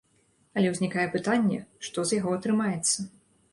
Але ўзнікае пытанне, што з яго атрымаецца.